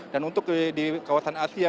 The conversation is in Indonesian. dan untuk di kawasan asia